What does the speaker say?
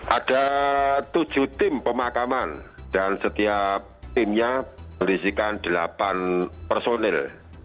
ada tujuh tim pemakaman dan setiap timnya berisikan delapan personil